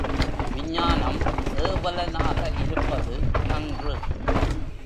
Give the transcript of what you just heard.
விஞ்ஞானம் ஏவலனாக இருப்பது நன்று.